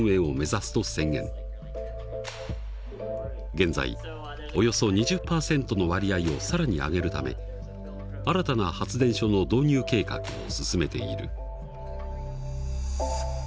現在およそ２０％の割合を更に上げるため新たな発電所の導入計画を進めている。